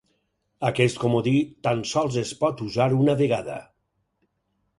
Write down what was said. Aquest comodí tan sols es pot usar una vegada.